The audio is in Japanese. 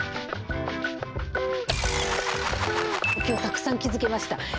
今日たくさん気づけました